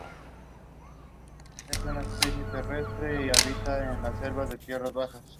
Si alguno de los dos responde incorrectamente, deberán abandonar el programa de inmediato.